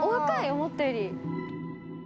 思ったより。